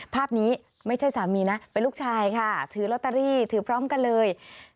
ภาพนี้ไม่ใช่สามีนะเป็นลูกชายค่ะถือลอตเตอรี่ถือพร้อมกันเลย